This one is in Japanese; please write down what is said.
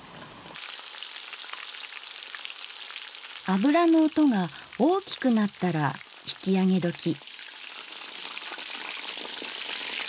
油の音が大きくなったら引き上げどき。